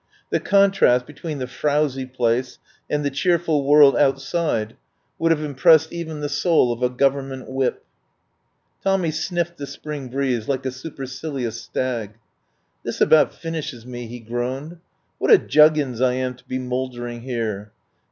The contrast between the frowsy place and the cheerful world outside would have im 13 THE POWER HOUSE pressed even the soul of a Government Whip. Tommy sniffed the spring breeze like a su percilious stag. "This about finishes me," he groaned. "What a juggins I am to be mouldering here!